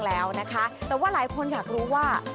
แต่ว่าหลายคนอยากรู้ว่า